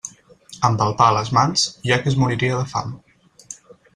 Amb el pa a les mans, hi ha qui es moriria de fam.